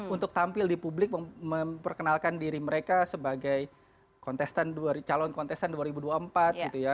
untuk tampil di publik memperkenalkan diri mereka sebagai calon kontestan dua ribu dua puluh empat gitu ya